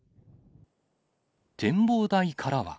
展望台からは。